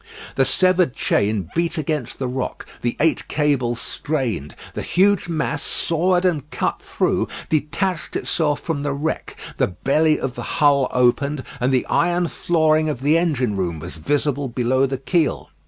The severed chain beat against the rock; the eight cables strained; the huge mass, sawed and cut through, detached itself from the wreck; the belly of the hull opened, and the iron flooring of the engine room was visible below the keel.